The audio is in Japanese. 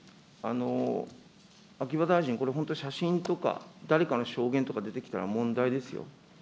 秋葉大臣、これ本当、写真とか、誰かの証言とか出てきたら問題ですよ。